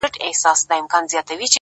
څلوريځه;